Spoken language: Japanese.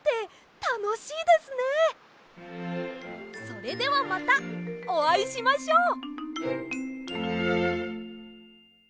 それではまたおあいしましょう。